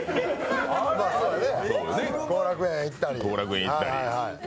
後楽園行ったり？